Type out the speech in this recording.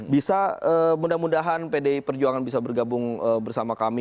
bisa mudah mudahan pdi perjuangan bisa bergabung bersama kami